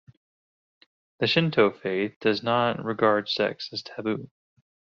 The Shinto faith does not regard sex as a taboo.